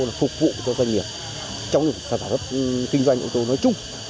là phục vụ cho doanh nghiệp trong sản phẩm kinh doanh ô tô nói chung